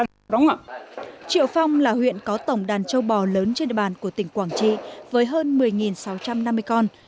triệu phong là huyện có tổng đàn châu bò lớn trên địa bàn của tỉnh quảng trị với hơn một mươi sáu trăm năm mươi con